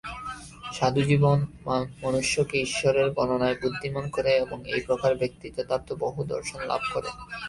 সাধুজীবন মনুষ্যকে ঈশ্বরের গণনায় বুদ্ধিমান করে এবং এই প্রকার ব্যক্তি যথার্থ বহুদর্শন লাভ করে।